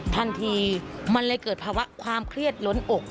ทันทีมันเลยเกิดภาวะความเครียดล้นอก